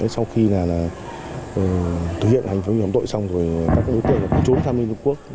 sau khi thực hiện hành phóng nhóm tội xong các đối tượng trốn sang bên trung quốc